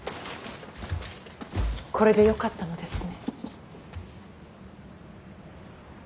これでよかったのですね。